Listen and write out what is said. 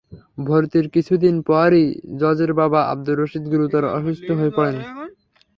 ভর্তির কিছুদিন পরই জজের বাবা আবদুর রশিদ গুরুতর অসুস্থ হয়ে পড়েন।